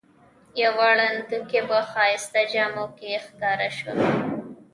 یوه ړندوکۍ په ښایسته جامو کې ښکاره شوه.